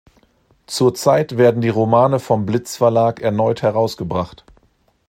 Zurzeit werden die Romane vom Blitz Verlag erneut herausgebracht.